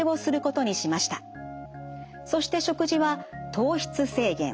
そして食事は糖質制限。